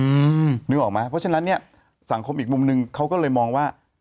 อืมนึกออกไหมเพราะฉะนั้นเนี้ยสังคมอีกมุมหนึ่งเขาก็เลยมองว่า